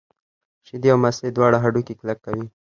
شیدې او مستې دواړه هډوکي کلک کوي.